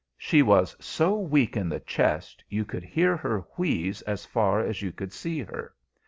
She was so weak in the chest you could hear her wheeze as far as you could see her.